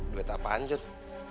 duit apa anjun